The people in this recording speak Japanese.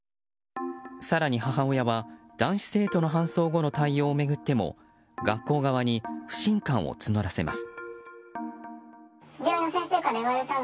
更に母親は男子生徒の搬送後の対応を巡っても学校側に、不信感を募らせます。